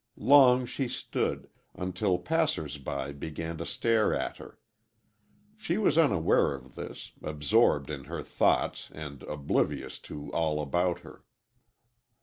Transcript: Long she stood, until passers by began to stare at her. She was unaware of this, absorbed in her thoughts and oblivious to all about her.